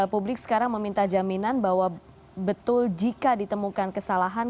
publik sekarang meminta jaminan bahwa betul jika ditemukan kesalahan